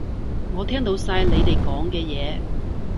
我聽到晒你哋講嘅嘢